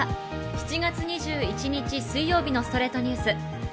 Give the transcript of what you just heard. ７月２１日、水曜日の『ストレイトニュース』。